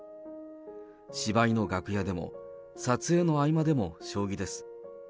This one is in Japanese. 芝居の楽屋でも、撮影の合間でも将棋です。